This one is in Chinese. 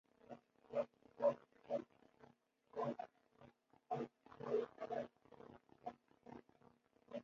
同时也是澳大利亚最享有盛誉的澳大利亚八大名校的联盟成员之一。